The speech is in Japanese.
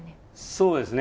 そうですね。